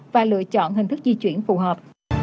và lựa chọn hình thức di chuyển phù hợp